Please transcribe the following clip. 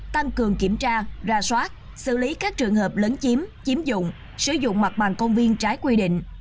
tăng cường kiểm tra ra soát xử lý các trường hợp lấn chiếm chiếm dụng sử dụng mặt bằng công viên trái quy định